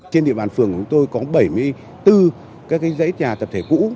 trên địa bàn phường của chúng tôi có bảy mươi bốn dãy nhà tập thể cũ